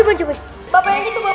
baju dikit pak baju dikit pak